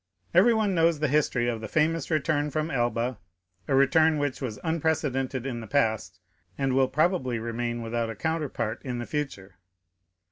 Everyone knows the history of the famous return from Elba, a return which was unprecedented in the past, and will probably remain without a counterpart in the future.